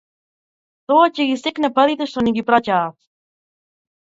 Тоа ќе ги секне парите што ни ги праќаат